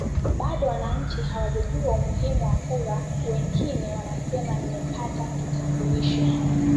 bado wananchi hawajajua umuhimu wa kura mwengine anasema nimepata kitambulisho